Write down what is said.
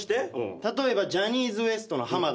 例えばジャニーズＷＥＳＴの濱田さん。